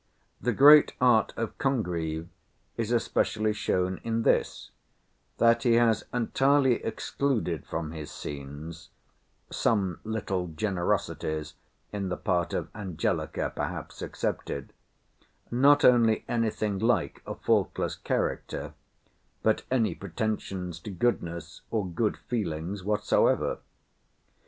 The great art of Congreve is especially shown in this, that he has entirely excluded from his scenes,—some little generosities in the part of Angelica perhaps excepted,—not only any thing like a faultless character, but any pretensions to goodness or good feelings whatsoever.